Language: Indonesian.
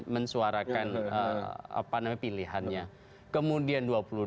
mensuarakan pilihannya kemudian dua puluh dua